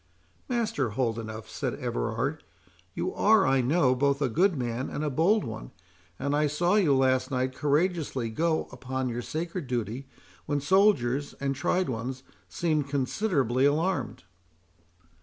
"Master Holdenough," said Everard, "you are, I know, both a good man and a bold one, and I saw you last night courageously go upon your sacred duty, when soldiers, and tried ones, seemed considerably alarmed."